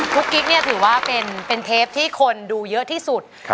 ุ๊กกิ๊กเนี่ยถือว่าเป็นเทปที่คนดูเยอะที่สุด